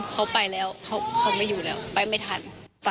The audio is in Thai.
เขาไปแล้วเขาไม่อยู่แล้วไปไม่ทัน